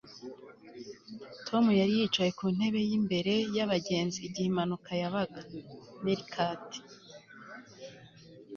tom yari yicaye ku ntebe y'imbere y'abagenzi igihe impanuka yabaga. (meerkat